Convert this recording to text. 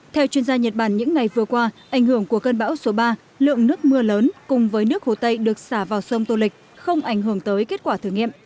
theo chuyên gia nhật bản những ngày vừa qua ảnh hưởng của cơn bão số ba lượng nước mưa lớn cùng với nước hồ tây được xả vào sông tô lịch không ảnh hưởng tới kết quả thử nghiệm